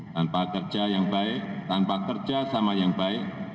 tanpa kerja yang baik tanpa kerja sama yang baik